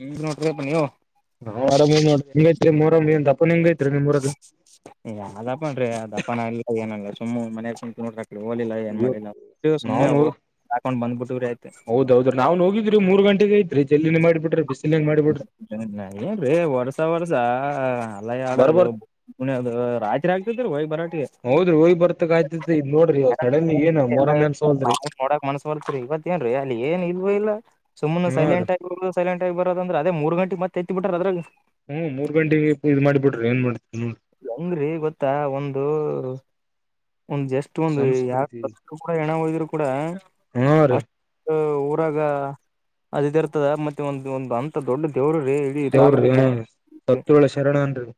ಹ್ಮ ನೋಟ ರೇಪನಿಯೋ ನಾ್ರಾಮ ನೋ್ರಿ ನಿಂಗೈತ್ರಿ ಮೂರ ಅಪ್ಪ ನಿಂಗೈಐತ್ರಿ ನಿಮ್ೂರದ ಯಾವ್ದಪ್ಪನ್ೀ ಅದಪ್ಪಾನ ಎಲ್ಲ ಏನಲ್ಲ ಸುಮ್ಮ್ ಮನಯಾಗ ಸುಮ ನೋಡ್ರ ಹಓಲಿಲ್ಲ ಏನ್ ಮಾಡಿಲ್ಲ ಸುಮನೆವು ಹೌದೌದ್ರೀ ನಾವ್ನ್ ಹೋಗಿದ್ರಿ ಮೂರ್ ಗಂಟೆೆಗೆ ಐತ್ೀ ಜಲ್ಲಿಿನ ಮಾಡಿಬಿಟ್ರಿ ಬಿಸ್ ಏನ್್ರೀ ವರ್ಸ ವರ್ಸ ಅಲ್ಲ ಆಡದು ಬರ್ಬರ್ ಪಣದು ರಾತ್ರಿ ಹಾಕ್ತತಿರಿ ಹೋಗ ಬರಾಟಿಗೆ ಹೌದ್ರಿ ಹೋಗಿ ಬರ್ತಕ್ ಆಯ್ತತ್ ಇದ್ ನೋಡ್ರಿ ಸಡನ್ಲಿ ಏನ್ ಮೊರಂ ಅನ್ಸವಲ್ರಿ ನೋಡಾಕ್ ಮನ್ಸ ಬರ್ತ್ರಿ ಇವತ್ ಏನ್ರೀ ಅಲ್ಲಿ ಏನ್ ಇಲ್ವ ಇಲ್ಲ ಸು ಹಾ ರೀ ಸೈಲೆಂಟ್ ಆಿರೋ ಸೈಲೆಟ್ ಆಗ ಬರೋ ಅ್ರ ಅದೇ ಮೂರ್ಂೆ ಮತ್ತತ್ ಬಿಟ್ರ ಅ್ರ ಹ್ಮ್ ಮೂರ್ ಗಂಟೆಗೆ ಇದ್ ಮಾಡಿಬಿ್ರ ಏನ್ ಮಾಡ್ರಿ ಅಂಗ್ರಿ ಗೊತ್ತಾ ಒಂದು ಒಂದ್ ಜಸ್ಟ್ ಒಂದ್ ಯಾರ ಸಂಸ್ಕೃತಿ ಕೂಡ ಹೆಏಣ ಹೋಯದ್ರು ಕೂಡ ಹಾ ರೀ ಅಷ್ಟ ಊರಾಗ ಅದ ಇರ್ತದ ಮತ್ತೆ ಒಂದು ಒಂದು್ ಅಂತ ದೊಡ್ಡ ದೇವರು ದೇವಡ್ರಿ ಹ ಸತ್ಳ ಶರಣ ಅನ್ರಿ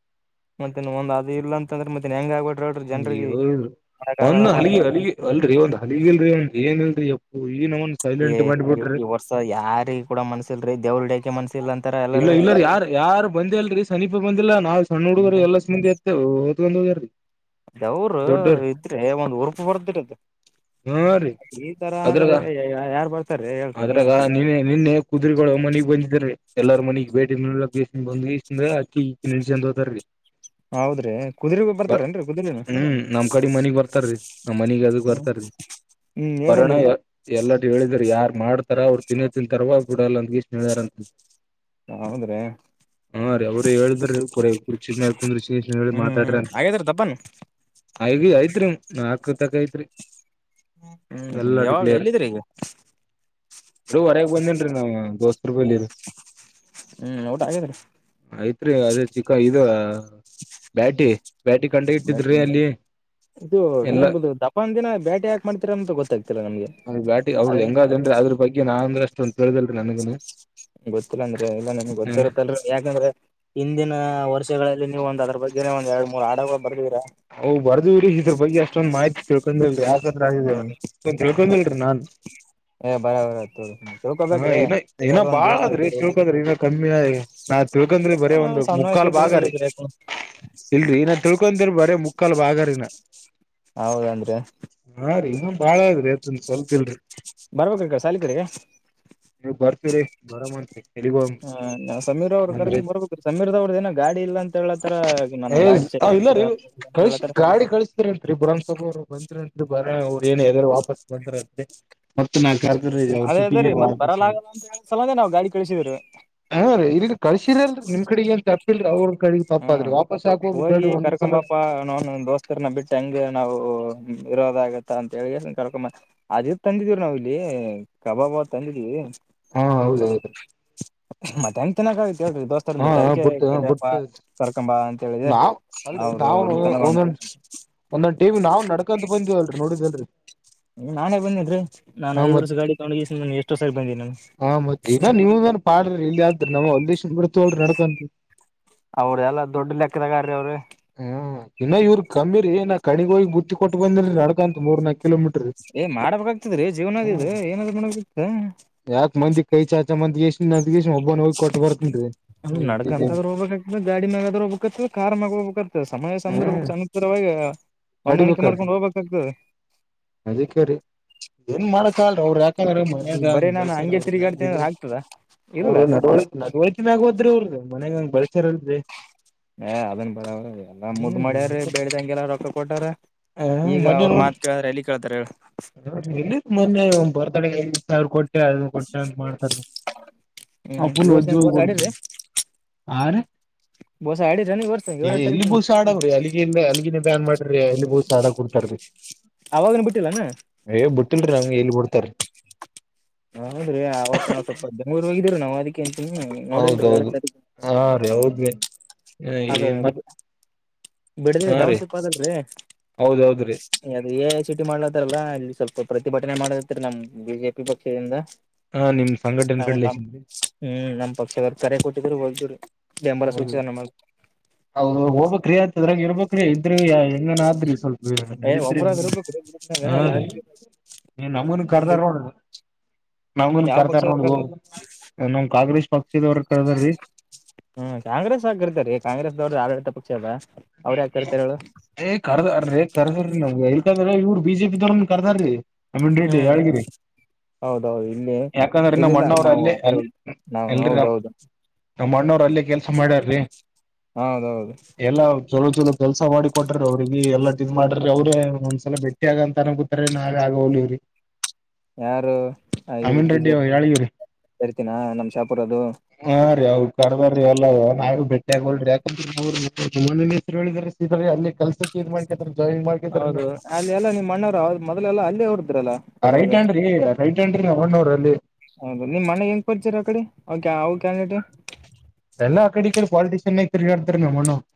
ಮತ್ತೆನ್ ಒಂದ ಅ ಇಲ್ಲ ಅಂದ್ರೆ ಮತ್ತೆನ್ ಹೆಂಗ ಆಗ್ಬ ಬಿಡ್ರಡ್ರರು ಜನ್ರಿಗೆ ಹ್ಮ್ ಮಾಡಕ್ ಒಂದ್ ಆಗಲ್ಲಪ್ಪ ಅಂತ ಹಲಿಗೆ ಹ ಅಲ್ರಿ ಒಂದ್ ಹಲಿಗೆಲ್ರಿ ಒಂದ ಏನ್ಿಲ್ರಿ ಎಪ್ಪು ಈ ನನ್ ಏ ಸೈಲೆಂಟ್ ಮಾಡಿಬಿಡ್ರಿ ಈ ವರ್ಷ ಯಾರಿಗ ಕೂಡ ಮನ್ಸಲ್ರರಿ ದೇವ್ರಡಕೆ ಮನ್ಸ ಇಲ್ಲ ಇಲ್ಲ ಯಾರ್ು ಯಾರು ಬಂದೇ ಅಲ್ರಿ ಸಮನೀಪ ಬಂದಿಲ್ಲಾ ನಾವ್ ಸಣ್ಣ ಹುಡುಗರು ಎಲ್ಲ ಸಂದಿ ಎತ್ತ ಇರಿ ಅದವರು ಇದ್ರೆ ಒಂದ್ ಉರುಪ ಬರ್ದಿರದು ಹ್ಮ ರೀ ಈ ತರ ಅದ್ರಾಗ ಆದ್ರೆ ಯಾರ್ ಬರ್ತಾರೀ ಹೇಳ್ರಿ ನೀವೇ ಅದ್ರಾಗ ನಿನ್ನೆ ನಿನ್ನೆ ಕುದು್ರಗಳು ಮನೆಗ್ ಬಂದಿದ್ರೀ ಎಲ್ಲಾರ ಮನಗ್ ಬೇಟಿ ನೋಕ್ಷ್ಟ ಬಂದು ಇಷ್ಟ ಅಕ್ಕಿ ಇಕ್ಕಿ ನಿಡ್ಸ ಹತಾರರಿ ಹೌದ್ರಿ ಕುದುರೆ ಬ ಬರ್ತಾರೇನ್ರಿ ಕುದುರೆನು ಹ್ಮ್ ನಮ್ ಕಡೆ ಮನಗ್ ಬರ್ತಾರೀ ನಮ್ಮ್ ಮನಗ್ ಅದಕ್ ಬರ್ತಾರಿ ಹ್ಮ್ ಬರಣ ಏನಂದ್ರು ಎಲ್ಲ ಹೇಳಿದ್ರ ಯಾರ್ ಮಾಡ ತರ ಅವ್ರು ತಿನ್ೋತ್ತನ್ ತರವಾಗಿಡಲ್ಲ ಅಂದಷ್ಟಾರ ಅ ಹೌದ್ರಿ ಹಾ ರ ಅವರು ಹೇಳಿದ್ರ ಕೊ ಕುರ್ಚ ಕುಂದ್ರ ಶ್ರೇಶ ಹೇಳಿ ಹ್ಮ್ ಹ್ಮ್ ಮಾತಾಡ್ರ ಹಾಗೇದ್ರ ತಪ್ಪನ್ ಆಗ ಆಯ್ತ್ರಿ ನಾಲ್ಕ ತಕ ೈತ್ರಿ ಹ್ಮ್ ಯಾವಾಗ ಎಲ್ಲಿದ್ರೆ ಈಗ ರೀ ಹೊರಗ್ ಬಂದೇನ್ರೀ ನಾವ್ ದೋಸ್ತ್ರು ಬಲಿಿರಿ ಹ್ಮ್ ಊಟ ಹಾಗೇದ್ರಿ ಆಯ್ತ್ರಿ ಅದೇ ಚಿಕ್ಕ ಇದು ಬ್ಯಾಟಿ ಬೇಟಿ ಕಂಡ ಬಟ್ ಇಟ್ಟಿದ್ರಿ ಅಲ್ಲಿ ಇದು ಎಲ್ಲಾ ನಿಮ್ದ್ದ ದಪಾನ್ ದಿನ ಬೇಟೆ ಯಾಕ ಮಾಡ್ತೀರಂತ ಗೊತ್ತಾಗ್ತಿಲ್ಲ ನಮ್ಗೆ ಬ್ಯಾಟಿ ಅವ್ರರು ಅ ಹೆಂಗ ಅದನ್ರಿ ಅದ್ರ ಬಗ್ಗೆ ನಾ ಅಂದ್ರೆ ಅಷ್ಟುೊಂದು ತಿಳ್ದಿರ್ತ ನನಗನು ಗೊತ್ತಿಲ್ಲ ಅಂದ್ರೆ ಇಲ್ಲ ನಂಗೆ ಹ್ಮ್ ಗೊತ್ತಿರುತ್ತಲ್ ಯಾಕಂದ್ರೆ ಹಿಂದಿನ ವರ್ಷಗಳಲ್ಲಿ ನೀವು ಒಂದ ಅದ್ರ ಒಂದ ಎರಡು ಮೂರು ಆಡಗ ಬ ಹ್ ಬರ್ದವ್ರೀ ಇದ್ರ ಬಗ್ಗೆ ಅಷ್ಟೊಂದ್ ಮಾಹಿತಿ ತಿಳ್ಕೊಂಡ ಹ್ಮ್ ಇಲ್ರಿ. ಡಿ ನಾನ್. ಏ ಬರ ಬರ ಹ ತಿಳ್ಕೊಬೇಕ್ರಿ ಇನ್ನ ಇನ ಇರೋದ ಒಂದ್ ಬಾಳ ಜೀವನ ಅದ್ರಿ ಚಳ್ಕದ್ರಿ ಇನ್ನ ಕಮ್ಮಿ. ನಾ ತಿಳ್ಕೊಂಡ್ರ ಬರೇ ಒಂದು ಸಣ್ಣ ವಯಸ್ಸಿಗೆ ಮುಕ್ಕಾಲು ಭಾಗ ರೀ ತಿಳ್ಕೊಬೇಕ್ರಿ ಯಾಕ ಇಲ್ರಿ ನಾ ತಿಳ್ಕೊಂಡ್ರ ಬರೇ. ಮುಕ್ಕಾಲು ಬಾಗಾರಿನ. ಹೌದೇನ್ ರೀ. ಹಾ ಬಾಳ ಇದ್ರಿ ತನ್ ಸ್ವಲ್ಪಲ್ರಿ. ಬರ್ಬೇಕ್ರಿ ಕ ಸಾಲಿ ಕಡೆಗೆ ನೀವು ಬರ್ತೀವ್ರರಿ ಬರಾಮಂತ್ರಿ. ಹ ನಾ ಸಮೀರ್ ಅವ್ರು ಕರ್ಕೊಂಡ್ ಬರ್ಬೇಕ್ರ ಸಮೀರ್ದವ್ರದ ಏನ ಗಾಡಿ ಇಲ್ಲ ಅಂತ ಹೇಳತರ ನನ್ ಗಾಡಿ. ಚೆಕ್ ಹ ಇಲ್ಲ ರೀ ಅಂತ ಕಳ ಹೇಳತ್ತಾರ ಗಾಡಿ ಕಳಿಸತರಿನ್ ರೀ ಬ್ರಹಾಮ್ಸಬಾ ಅವರು ಬರತ್ರಿಂರಿ. ಇ ಬರ ಅವ್ರು ಏನ್ ವಾಪಸ್ ಬಾರೆ ಮತ್ತೆ ನಾ ಕರ್ ಅವ್ರ ಅದೇ ಅದೇ ಸಿಟಿಗೇ. ರೀ ಮತ್ ಬರಲ್ಲ ಆಗಲ್ಲ ಅಂತ ಹೇಳ ಸಲಂದೆ ನಾವ್ ಗಾಡಿ ಕಳಿಸಿದ್ರಿ ಹಾ ಇಲ್ಲಿನ್ ಕಳ್ಸಿರಲ್ರಿ ನಿಮ್ ಕಡೆಗ ಅಂತ. ಇಲ್ರಿ. ಹಾ ಹೋಗಿ ಕರ್ಕಂಬಾಪ್ಪಾ ನಾನು ದೋಸ್ತರನ್ನ ಬಿಟ್ಟು ಹೆಂಗೇ ನಾವು. ಇರೋದಾಗತ್ತ ಅಂತ ಹೇಳಿ ಕರ್ಕೊ ಅದಿ ತಂದಿದೀವ್ ನಾವವು ಇಲ್ಲಿ ಕಬಾಬ ತಂದಿದೀವಿ. ಹಾ ಹೌದೌದು. ಮತ್ತೆ ಎಂತ ತಿನ್ನಕ ಆಗತಿ ಕ್ರಿ ದೋಸ್ತ ಹಾ ಬಿಟ್ಟ ಅದಕ್ಕೆ ಬುಟ್ ಕಪ್ಪಾ. ಬುಟ್ ನಾವ್ ಅಲ್ರಿ ನಾವ ಇಲ್ಲಿ ತನ ಬಂದ ಒಂದೊ ಒಂದೊಂದ ಟೀವಿ ನಾ್ ನಡ್ಕಂತ. ಬಂದವಲ್ರರಿ ನೋಡಿದಲ್ರರಿ. ನಾನೇ ಬಂದಿದ್ರಿ ನಾನನ್ ಹ ಐದ್ ಮತ್ ವರ್ಷ ಗಾಡಿ ತಗೊಂಡೋಗಿ ಎಷ್ಟೋ ಸರಿ ಬಂದೀನಿ ನಾನು. ತ್ತೆ ಈಗ ನೀವುನ್ ಪಾಡ್ರಿ ಇಲ್ಲಿಯ ಆದ್ರ ನಾವ್ ಅಲ್ ಶುಂಬ್ರ ತಳ್ರಿ ನಡ್ಕಂತ. ಅವ್ರ ಎಲ್ಲ ದೊಡ್ ಲೆಕ್ಕದಗಾರ ಅವ್ರಿ. ಹ್ಮ ಇನ್ನ ಇವ್ರು ಕಮ್ಮಿರಿ ನ ಕಣಿಗ್ ಹೋಗಿ ಬುತ್ತಿ ಕೊಟ್ಟು ಬಂದಿರಿ ನಡ್ಕಂತು ಮೂರ್ನಾಕು. ಏ ಮಾಡ್ಬೇಕಾಗ್ತದ್ರೀ ಹ್ಮ್ ಜೀವನದದು ಏನಾದ್ೂ ಮಾಡ್ಬೇಕಾಗತ. ಯಾಕ್ ಮಂದಿ ಕೈ ಚಾಚಾ ಮಂದಿ ಎಷ್ಟು ನಗಷ್ಟ್ ಒಬ್ಬ ಹೋಗಿ ಕೊಟ್ಟ ಬರ್ತನ್ರಿ. ಹ ನಡಡ್ಕ ಅಂತಾದ್ ಹೋಗ್ಬೇಕಕ್ತ ಗಾಡಿ ಮಾಗಾದ್ರ ಹೋಗ್ಬೇಕವ ಕಾರ್ ಮ. ಹೋಗ್ಬೇಕಾಗ್ತದೆ ಸಮಯ ಸಂದಭ ಸಮುದರವಾಗಿ ಹೊಂದಾಣಿಕೆ ಮಾಡ್ಕೊಂಡು ಹೋಗ್ಬೇಕಾಗ್ತದೆ. ಅದಿಕಾರಿ ಏನ್ ಮಾಡಕಲ್ ಅವ್ರ ಯಾಕ. ಈಗ ಮನ್ಗ ಬರೀ ನಾನು ಬೆಳಸಾರ ಹಂಗೆ ಅವರು. ತಿರುಗಾಡ್ತೀನಿ ಅ್ರ ಅಂದ್ರೆ ಆಗ್ತದ ಇಲ್ಲ ಅವದ ಮನೆಗಂಗ್ ಬಳಚಾರಲ್ರಿ. ಏ ಅದನ್ ಬರವ್ರ ಎಲ್ಲಾ ಮುದ್ ಮಾಡ್ಯಾರ ಬೇ್ದ ಹಂಗಗೆಲ್ಲ ರೊಕ್ರ್ ಕೊಟಾರ. ಹ ಮ ನೋಡ್ರಿ ಎ ಮ ಬರ್. ಡೆ ಎದು ಸಾವಿರ ಕೋಟ್. ಟ್ಟದು ಕೊಟ್ಟೆ ಅಂತ ಮಾಡ್ತಾರ ಆ ಫುಲ್ ಒಜ್ಜ ಹೋಗಿ ಕೊಡತಿ. ಬಸ ಆಡಿ ಜನ ವರ್ಷ. ಏ ಏಳನೇ ಎಲ್ಲಿ ತಾರೀಕು ಬೋಸ ಆಡಾವ್ರೀ ಅಲ್ಲಿಗೆ ಇಲ್ಲ ಅಲ್ಲಿಗಿನೇ ಬ್ಯಾನ್ ಮಾಡ್ರರಿ ಅಲ್ಲಿ ಬೋಸ ಆಡ ಕೊಡ್ತಾರ್ರೀ. ಅವಾಗನ ಬಿಟ್ಟಿಲ್ಲಾನ. ನಮಗೆ ಎಲ್ ಬಿಡ್ತಾರ. ಹೌದ್ರೀ ಆ ಅವತ್ ನಾವವು ಸ್ವಲ್ಪ ಜೂ ಹೋಗಿದ್ರರಿ ನಾವು ಅದಕ್ಕೆಂತ. ಹ್ಮ್ ನೋಡಿಲ್ರಿ ಹೇಳ ಹೌದೌದು ಸರಿ. ಹಾ ರೀ ಹೌದ್ರಿ ಅದೇ. ಮತ್ ಬಿಡದಿ ಹಾ ಟೌನ್ ರೀ ಶಿಪ್ ಆಲ್ರಿ. ಹೌದೌದ್ರಿ ಚೀಟಿ ಮಾಡ್ಲತಾರಲ್ಲ ಇಲ್ಲಿ ಸ್ವಲ್ಪ ಪ್ರತಿಭಟನೆ ಮಾಡತ್ತ ನಮ್ ಬಿಜೆಪಿ ಪಕ್ಷದಿಂದ. ಹಾ ನಿಮ್ ಸಂಘಟನೆ ನ ಹ್ಮ್ ಕಡ್ಲೆಸಿದ್ರಿ ನಮ್ಮ ಪಕ್ಷ ಕರೆ ಕೊಟ್ಟ. ಬೆಂಬಲ ಹೌದು ಸೂಚನೆ. ಹೌದು ಹೋಗಬೇಕ್ರೀ ಅಂತ ಇದ್ರಾಗ ಇರ್ಬಕ್ರೀ ಇದ್ರ ಹೆಂಗನಾದ್ರಿ. ಏ ನಡೀಿದ್ರೆ ಒಬ್ರಾಗ ಇರ್ಬೇಕ್ರೀ ಹಾ ಗ್ರೂಪ್ನಾಗ ರೀ. ರಾಜಕೀಯ ನೀ ನಮ್ಮಗೂನು ಮುಂದ ಕರ್ದಾರ ನಡುದು. ನಮನ್ ಯಾವ ಪಕ್ಷ ಕರ್ತಾರ ಇರ್ತಾರ ನೋಗ ನಮ್ ಕಾಂಗ್ರೆಸ್ ಪಕ್ಷದವರ ಕರ್ದಾರೀ. ಹ್ಮ್ ಕಾಂಗ್ರೆಸ್ ಹಾಕಿರ್ತಾರೆೀ ಕಾಂಗ್ರೆಸ್ ದವ್ರ್ದ ಆಡಳಿತ ಪಕ್ಷ ಅಲ್ಲ. ಏ ಕರ್ದ ಕರ್ದ ನಾವ್ ಇವ್ರ ಬಿಜೆಪಿ ದವನ್ ಕರ್ದಾರೀ ಅಮೀನ್ ರೆಡ್ಡಿ ಹ್ಮ್ ಯಾಳಗಿ ಹೌದೌದು ಇಲ್ಲಿ ಯಾಕಂದನ್ನ ನಮ್ಮ ಇಲ್ಲಿಲ್ಲ ಅಣ್ಣ ಅವರ್ ನಾವು ಅಲ್ಲಿ ಆ ಕಡೆ ನಾವು ಎಲ್ರಿರ ಹೌದೌದು ನಮ್ಮ್ ಅಣ್ಣವರು ಅಲ್ಲೇ ಕೆಲಸ ಮಾಡ್ಯಾರ್ರೀ ಹೌದೌದು ಕೆಲಸ ಮಾಡಿಕೊಟ್ಟ್ರರು ಅವರಿಗೆ ಎಲ್ಲ ಇದ್ ಮಾಡ್ರಿ ಅವ್ರ ಒಂದ್ಸಲ ಬೆಟ್ಟಿ ಆಗ ಅಂತ ಅನ ಗೊತ್ತಾರ ನಾವೇ ಆಗೋಲವ್ರಿ ಯಾರು ಇದು ಅಮೀನ್ ಬಿಜೆಪಿ ರೆಡ್ಡಿಯಾಳಗಿ ರಿ ಕರಿತೀನ ನಮ್ ಶಾಪುರದು ಹಾ ರ ಅವವು ಕರಬೇಕ ಅಲ್ಲ ನಾವವು ಬೆಟ್ಟಿ ಆಗಲ್ ಯಾಕ ಹೆರು ಅಲ್ಲಿ ಕೆಲ್ಸ ಹೌದು ಅಲ್ಲಿ ಎಲ್ಲ ನಿಮ್ಮ ಅಣ್ಣವರು ಮೊದಲೆಲ್ಲ ಅಲ್ಲೇ ಹೋರದ್ರಲ್ಲ ಅವಾಗ ಏ ರೈಟ್ ಹ್ಯಾಂಡ್ ಅಣ್ಣಾವ್ರ ಅಲ್ಲಿ ಹೌದು ನಿಮ್ ಮನೆ ಹೆಂಗ್ ಪರಿಚಯ ಆ ಕಡೆ ಅವ ಅವ ಕ್ಯಾಂಡಟ ಎಲ್ಲಾ ಕಡೆ ಕಡೆ ಪಾಲಿಟಿಷಿಯನ್ ಐ ತಿರುಗಾಡ್ತಾರ್ ನಮ್ ಅಣ್ಣಾವ್ರು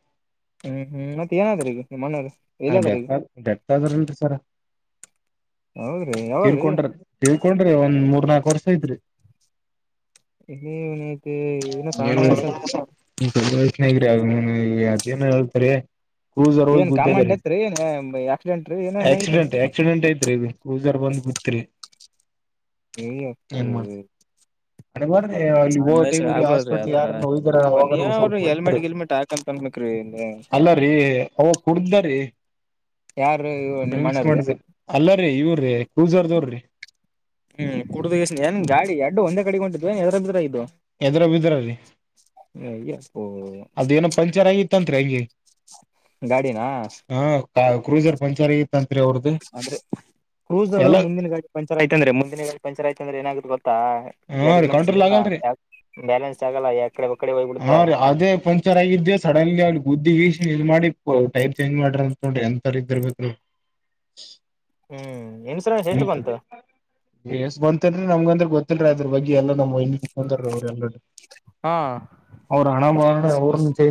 ಹ್ಮ್ ಹ್ಮ್ ಮತ್ ಏನಾದ್ರ ಈಗ ನಿಮ್ ಅಣ್ಣವ್ರು ಎಲ್ಲದಾರ ಈಗ ಹ ಡೆತ್ ಆದರಲ್ರಿ ಸರ್ ಹೌದ್ರಿ ಯಾವಾಗ್ರೀ ತಿರಕೋಂಡ್ರಿ ತಿರಕೋಂಡ್ರಿ ಒಂದ್ ಮೂರ್ ನಾಕು ವರ್ಷ ಐತ್ ಇ ಹನ ನೇಗ್ರಿ ಅದೇನ ಹೇಳ್ತಾರೆ ಕ್ರೂಸರ್ ಹೋಗಿ ಏನ್ ಕಾಮಂಡ್ ಗೂದೆದರಿ ಐತ್ರಿ ಏನ್ ಆಕ್ಸಿಡೆಂಟ್ ರೀ ಏನೇನ್ ಐತ್ರಿ ಆಕ್ಸಿಡೆಂಟ್ ಆಕ್ಸಿಡೆಂಟ್ ಐತ್ ಇದು ಕ್ರೂಸರ್ ಬಂದು ಉತ್ರಿ ಅಯ್ಯಪ್ಪೋ ಏನ್ ಮಾಡ ಅ ಮಾಡ ಸಣ್ಣ ಅಲ್ಲಿಟೈ ವಯಸ್ಸ ಆಗ್ಬಾರ್ದ್ರಿ ಆತರ ಸ್ವಲ್ಪ ಯಾರ್ದರೋಗ ನೀವ್ರು ಸ್ವಲ್ಪ ಹೆಲ್ಮೆಟ್ ಗಿಲ್ಮೆಟ್ ಹಾಕಂತ ಅನ್ಬೇಕ್ರಿ ಅಲ್ಲ ರೀ ಕುಡ್ದರೆ ಯಾರು ನಿಮ್ ಡ್ರಿಂಕ್ಸ್ ಅಣ್ಣಾರ್ರೀ ಮಾಡಿದ ಅಲ್ಲರೀ ಇವ್ರೀ ಕೂಸರ್ದವರ್ರಿ ಹ್ಮ್ ಕುಡುದುಷ್ಟಏನ್ ಗಾಡಿ ಎಡ್ಡು ಒಂದೇ ಕಡಿಗೊಂಡಿದ್ದ್ಏರಡು ಎದರ ಬಿದ್ರೆ ಇದ್ದು ಎದ್ರ ಬಿದ್ರರಿ ಅಯ್ಯಪ್ಪೋ ಅದು ಏನು ಪಂಚರ್ ಆಂಗ ತಂತ್ರ ಆಗೆ ಗಾಡಿನಾ ಹ ಕ್ರೂಸರ್ ಪಂಚರ್ ಆಗಿತ್ತಂ ಆದ್ರೆ ಕ್ರೂಸ್ರು ಎಲ್ಲ ಮುಂದಿನ ಗಾಡಿ ಪಂಚರ್ ಆಯ್ತ ಅಂದ್ರೆ ಮುಂದಿನ ಗಾ ಪಂಚರ್ ಆಯ್ತ ಅಂದ್ರೆ ಏನಾಗಿ ಹಾ ರೀ ಜಡ್ಜ್ಮೆಂಟ್ ಕಂಟ್ರೋಲ್ ಸಿಗಲ್ಲ ಆಗಲ್ರಿ ಯಾ ಬ್ಯಾಲೆನ್ಸ್ ಆಗಲ್ಲ ಯಾ ಕಡೆ ಹಾ ರೀ ಅದೇ ಪಂಕ್ಚರ್ ಆಗಿದ್ದೆ ಸಡನ್ಲಿ ಅ ಬುದ್ದಿಸನ್ ಇ ಮಾಡಿ ಟೈರ್ ಚೇಂಜ್ ಮಾಡ್ರ ಅಂತ ತೊಂಡ್ರಿ ಎಂಥವರ ಇದ್ದರ್ಬೇಕರು ಹ್ಮ್ ಇನ್ಸೂರೆನ್ಸ್ ಎಷ್ಟು ಬಂತು ಎಷ್ಟ ಬಂತನ್ರಿ ನಮ್ಗಂದ್ರ ಗೊತ್ತಿಲ್ರೀ ಅದ್ರ ಬಗ್ಗೆ ಎಲ್ಲ ನಮ್ಮ ವೈನಿ ಹಾ ಅವಲ್ಲ ಅವ ಹಣ ಹ ಜೈ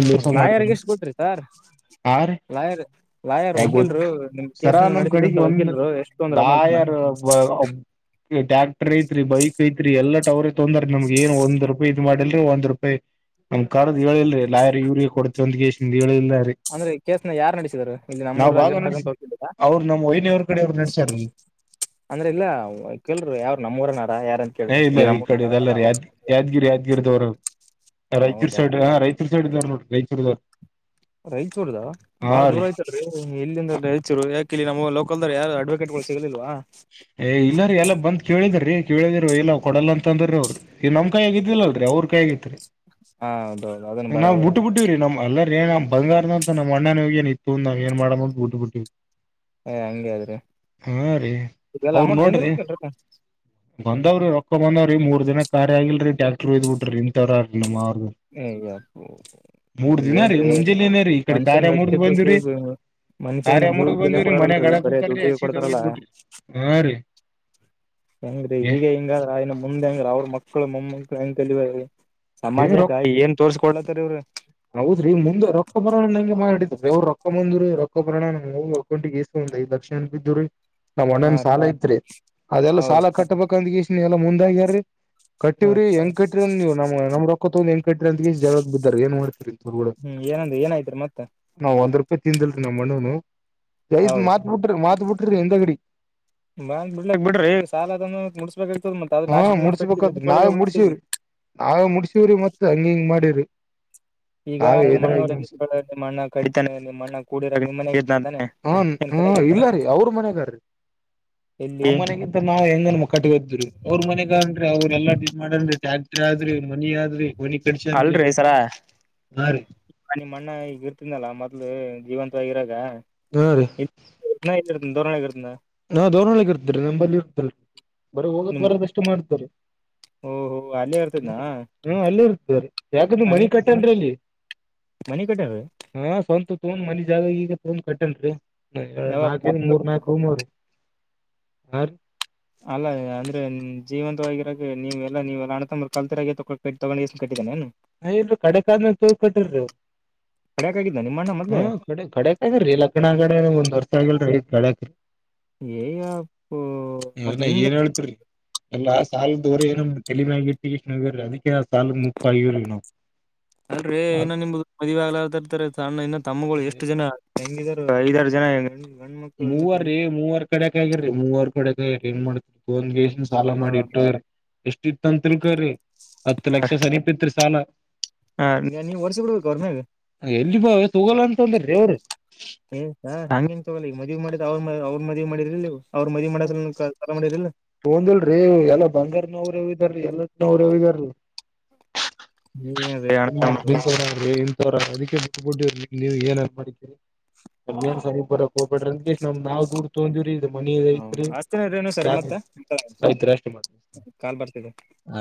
ಹ್ಮ್ ಲಾಯರ್ಗೆ ಎಷ್ಟು ಕೊಟ್ರಿ ಸರ್ ಆ ರೀ ಲಾಯರ್ ಲಾಯ ಯಾರ ಗೊತ್ತ ವಕೀಲ್ರು ನಿಮ್ ಸರ ಕೇಸ್ ನಮ್ ನಡೆಸಿದಂತ ಕಡೆಗೆ ಒಂದ್ ವಕೀಲ್ರು ಎಷ್ಟೊಂದ್ರ ಅಮೌಂಟ್ನ ರ ಕ್ಟ್ರ ಐತ್ರಿ ಬೈಕ್ ಐತ್ರಿ ಎಲ್ಲಾ ಟ ಅವ್ರ ತೊಂದ್ರ ನಮ್ಗೆ ಏನ್ ಒಂದ ರೂಪಾಯಿ ಇದನ್ನು ಮಾಡಿಲರಿ ಒಂದ ರೂಪಾಯಿ ನಮ್ ಕಡದ್ ಹೇಳಿಲ್ರಿ ಲಾಯ ಯೂರಿಯ ಕೊಡತಿ ಅಂದ್ ಕೆ ಸಿ ಹೇಳಿಲ್ರಿ ಅಂದ್ರೆ ಕೇಸ್ನ ಯಾರ್ ನಡೆಸದರು ನಾವ್ ಭಾಗ ನಸ ಅವ್ರರು ನಮ್ಮ್ ವೈನಿ ಅವ್ರ ಕಡೆ ಅವರು ನಡಸ್ಯಾರೀ ಅಂದ್ರೆ ಇಲ್ಲ ಕೆಲ್ರು ಯಾವ್ರ ನಮ್ಮೂರನಾರ ಯಾರ ಅಂತ ಏ ಕೇಳಿದೆ ಇಲ್ಲ ಇಲ್ಲಿ ಈ ಕಡೆ ನಮ್ಮೂರನಾರ ಇದೆಲ್ಲ ಅಲ್ಲ ಯಾದ್ ಯಾದ್ಗಿರಿ ಯಾದ್ಗಿರದವರು ರೈಚೂರ್ ಹೌದಾ ಸೈಡ್ ಹ ರೈತ ವ್ ರೈತ ನೋಡಿ [inaudible] ರೈಚೂರ್ದ ಬಾಳ ದೂರ ಆಯ್ತಲ್ ರೀ ಇಲ್ಲಿಂದ ರಾಯಚೂರು ಯಾಕ ಇಲ್ಲಿ ನಮ್ಮ ಲೋಕಲ್ ಯಾರು ಅಡ್ವಕಟ್ಗಳು ಸಿಗಲಿಲ್ವಾ ಏ ಇಲ್ಲಾರೀ ಎಲ್ಲ ಬಂದ್ ಕೇಳಿದ್ರೀ ಕೇಳಿದ ಇಲ್ಲ ಕೊಡಲ್ಲ ಅಂತ ಅಂದ್ರೆ ಅವರು ಈ ನಮ್ ಕೈ ಆಗಿದ್ದಿಲ್ಲಲರಿ ಅವ್ರ ಕೈ ಇತ್ರಿ ಹಾ ಹೌದೌದು ಅದನ್ನ ನಾವು ಬರಾಬರಿ ಅ ಬಿುಟ್ಟುಬುಟ್ಟವ್ರೀ ನಮ್ಮ ಅಲ್ಲ ಏ್ ಬಂಗಾರ ಅಂತ ನಮ್ಮಣ್ಣ ಏ ಇತ್ತುಂದ ನಾವ್ ಏ ಮಾಡ ಬಿಟ್ಟಿ ಬಿಟ್ಟ ಏ ಹಂಗಗೆ್ರಿ ಅವರು ನೋಡ್ರಿ ಗಂಂದಾವ್ರ ರೊಕ್ಕ ಮ ೀ ಮೂರ್ ಜನ ಕಾರ್ಯ ಆಗಲ್ರಿ ಟ್ಯಾಕ್ಟರ್ೋಯ್ ಬಿಟ್ರಿ ಇನ್ ತರ ಹ ಯಪ್ಪ ದಿನ ರೀ ಇದೇಏನ್ರೀ ಮುಂಜೆಲಿನೇ ರೀ ಈ ಕಡೆ ಮನ್ಷ್ಯನ್ ಕಾರ್ಯ ಮುರ್ದ್ ಬಂದಿವ್ರಿ ವ್ಯಕ್ತಿತ್ವ ಮನುಷ್ಯನ್ ಕಾರ್ಯ ಮುರ್ದ್ ಜೀವಕ್ ಬೆಲೆ ಬಂದಿವ್ರಿ ಮನ್ಯಾಗ ಕೊಡಾರಲ್ರರಿ ಬರೇ ಅಳಕುತಾರ್ರಿ ದುಡ್ಡ ಹಸಿದ ಕೊಡ್ತಾರಲ್ಲ ಒಯ್ದ್ ಬಿಟ್ರಿ ಹಾ ರೀ ಹೆಂಗ್ರೀ ಏ ಈಗ ಹಿಂಗ ಇನ್ನು ಮುಂದೆ ಹೆಂಗ್ರ ಅವ್ರ ಮಕ್ಕಳು ಮೊಮ್ಮಕ ಸಮಾಜ ರೊಕ್ಕ ಹೌದ್ರಿ ಮುಂದೆ ರೊಕ್ಕ ಬರೋ ನಂಗೆ ಮಾಡಿಿ ವ್ ರೊಕ್ಕ ಬಂದ್್ರೀ ರೊಕ್ಕ ಪ್ರರಿಾಣಾಮವುಂಟಿಗೆ ಎಸ್ಂದ ಈ ದಕ್ಷಿಣನ ಬಿದ್ದ್್ರೀ ನಾವ್ ಹಾ ಒಣ್ಣೊನ್ ರೀ ಸಾಲ ಇತ್ರಿ ಅದೆಲ್ಲ ಹೌದು ಸಾಲ ಕಟ್ಟಬೇಕಂದ ಇಷ್ಟ ನೀ ಎಲ್ಲಾ ಮುಂದಾಗ್ಯಾರಿ ಹ ಕಟ್ಟಿವವ್ರಿ ಹೆಂಗ್ ಕಟ್ಟ್ರ ನೀವು ನಮ್ಮ ಕ್ಕ ಂಗ ಕಟ್ಟ್ರ ಅಂತ ಜಗಳ ಬ ಏನ್ ಮಾಡ್ತರಿ ಹ್ಮ್ ಏನಂದ ಏನಾಯ್ತ್ರಿ ಮತ್ತ ನ ಒಂದ್ ರೂಪಾಯಿ ತಿಂದಿಲ್ರಿ ನಮ್ಮ್ಣ್ಣನು ಜಯದ ಹೌದ್ರಿ ಮಾತ್ ಬಿಟ್ರಿ ಮಾತ್ ಬಿಟ್ರಿ ಎಿಂದ ಗಡಿ ಬಾ ಬಿಡ್ಲಕ್ ಬಿಡ್ರಿ ಸಾಲ ಅದ ಮು ತದ ಮ ಅ ಹಾ ಲಾಸ್ಟ್ ನಿಮಪಟ್ಟ ನಿಮ ಮುಡ್ಸ್ಬೇಕದ್ರಿ ಒಳ ನಾವೇ ಬಿಿದ್ದಿ ಮುಡ್ಸಿವ್ರಿ ನಾವೇ ಮುಡ್ಸಿವ್ರಿ ಮತ್ ಹಂಗ ಹಿಂಗ್ ಮಾಡಿವ್ರಿ ಈಗ ನಾವೇ ನಿಮ್ಮ್ ಎದ್ರಾಗಿ ಮುಡ್ಸಿ ಅಣ್ಣವ್ರಣ್ಣ ಕಡಿತಾನೆ ನಿಮ್ಮಣ್ಣ ಕೂಡಿರ ಮನೆ ಹಾ ಹ ಇಲ್ಲ ರೀ ಅವ್ರ ಮನಗಾರಿ ಎಲ್ಲಿ ನಮ್ಮ್ ಮನೆಗಿಂತ ನಾವ್ ಹೆಂಗ ಮ ಕಟ್ಟಿಗೆದರು ಅವ್ರ ಮನೆಗ ಅನ್್ರಿ ಅವ್ರೆಲ್ಲಾ ಡ ಮಾಡ್ರಿ ಟ್ಯಾಕ್ ಆದ್ರಿ ಮನಿ ಆದ್ರಿ ಮನಿ ಕಡ್ಚ ಅನ್್ರಿ ನಿಮ್ಮ ಅಣ್ಣ ಈಗ ಇರ್ತಿದ್ದಲ್ಲ ಮೊದ್ಲು ಜೀವಂತವಾಗಿರಾಗ ಹಾ ರೀ ಇತ್ತ ದೋರಣೆಗರುತ್ತಾ ನಾ ದೌರ್ಳಗ್ ಇರ್ತರಿೀ ನಂಬಲ್ಲಿ ಇರ್ತಲ್ರಿ ಬರ ಹೋಗೋದ್ ನಿಮ್ ಬರೋದ ಅಷ್ಟೇ ಮಾಡ್ತರಿ ಓಹೋ ಅಲ್ಲೇ ಹ್ಮ್ ಇರ್ತದ್ನಾ ಹ್ಮ ಅಲ್ಲಿರ್ತರಿ ಯಾಕ ಮನಿ ಕಟ್ಟಂದ್ರ ಅಲ್ಲಿ ಮನ ಕೊಟ್ಟ ರ ತೋನ್ ಮನಿ ಜಾಗ ಈಗ ತೋನ್ ಕಟ್ಟೇನ್ರಿ ಯಾವಾಗ ನಾಕ ಮೂರ್ ನಾಲ್ಕ ರ ಹೂ್ ನೋ್ರಿ ಹ ಅಲ್ಲ ಅಂದ್ರೆ ಜೀವಂತವಾಗಿರಾಗ ನೀವೆಲ್ಲಾ ನೀವುಲ್ಲ ಅಣತ ಕಲ್ತಿರಾಗ ತಗೊಂಡ ಕಟ್ಟಿದಾನ ಏನು ಹ ಇಲ್ರಿ ಕಡೆ ಕಾದ್ಮೇ ತೂ ಕಟ್ಟಿರಿ ಕಡ್ಯಾಕಾಗಿದ್ದ ನಿಮ್ಮ ಅಣ್ಣ ಮೊದ್ಲೆ ಹ್ಮ ಕಡೆ ಕಡಕ್ದೀ ಲಕ್ಕನಗಡೆ ಒಂದ್ ವರ್ಷ ಆಗಲ್ರೀ ಡಕ ಏಯಪ್ಪೋ ಮತ್ ಇನ ನಿಮ್ಗ ಏನ್ ಹೇಳ್ತಿ ಎಲ್ಲಾ ಆ ಸಾಲದೋರೆಏನ ತಳಮಗ ಇಟ್ಟ್ಣೇ ಅದಕ್ಕೆ ಆ ಸಾಲ ಮುಪ್ಪ ಆಗವ್ರ ನಾವು ಅಲ್್ರೀ ಸಾಲ ಏನೋ ನಿಮ್ದುದು ಮದುವ ಆಗ್ಲಾತಾರ್ತಾರೆ ಸಣ್ಣ ಇನ್ನು ತಮ್ಮಗಳು ಎಷ್ಟು ಜನ ಐದಾರು ಜನ ಹೆಂಗ ಮೂವೀ ಮೂವರ್ ಕಡೆಕ್ ಆಗಿರರಿ ಮೂವರ್ ಕಡೆಕ್ ಆಗಿರರಿ ಹೆಂಗ ಮಾಡ್ತ್ರಿ ಹನ್ಗೆಷ್ಟನ್ ಸಾಲ ಮಾಡಿ ಇಟ್ಟ್ರ ಎಷ್ಟ ಇತ್ತ ಅಂತಲ್ಕ್ರಿ ಹತ್ತು ಲಕ್ಷ ಸಮನೀಪತ್ ಸಾಲ ಹಾ ಎಲ್ಲಿ ಬಾವೆ ತೋಗಲ್ಲ ಅಂತ ತಂದ್ರೀವರು ಏ್ ಸ ಹಗೆನ್ ತಗೊಲ್ಲ ಈಗ ಮದ್ ಮಾಡಿದ್ ಅವ್ರ ಅವ್ರ ಮದ್ವಿ ಮಾಡಿದಿ್ರಿಲ್ಲ ನೀವು ಅವ್ರ ಮದ್ವಿ ಮಾಡ ಹ ಸಲ ಮಾಡಿರಿಲ್ಲ ತೊಂದಲ್ರಿ ಎಲ್ಲ ಬಂಗಾರ ನವ್ರ್ಯ ಇದಾರೀ ಎಲ್ಲ ನವ್ರ್ಯವ ಇದ್ದಾರೀ ನೀವೇ ಅಣ್ಣ ತಮ್ಮರು ್ರಿ ಅದಕ್ಕೆ ಬಿಡ್ ನೀವು ಏನ್ನ್ ಮಾಡೀ ಏನ್ ಸಮೀಪ ಬರಕ್ ಹೋಗಬಿಡ್ರಂತ ನಮ ನಾವ್ ದೂಡ್ ತಗೊಂಡಿವವ್ರೀ ಇದ ಮನ ಹೌದ ಐತ್ರಿ ಹಚ್ತಿನಿ ಇರಿ ಸರಿ ಜಾಗ ಮತ್ತೆ ಐತ್ ಅಷ್ಟ ಕಾಲ್ ಬರ್ತಿದೆ ಆ